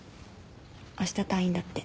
明日退院だって。